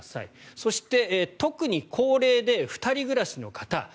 そして、特に高齢で２人暮らしの方。